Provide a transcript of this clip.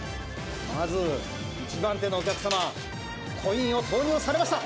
まず、１番手のお客様、コインを投入されました。